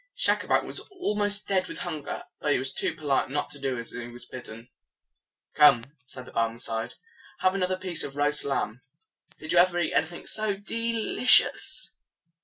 Schacabac was almost dead with hunger, but he was too polite not to do as he was bidden. "Come," said the Barmecide, "have another piece of the roast lamb. Did you ever eat anything so de li cious?"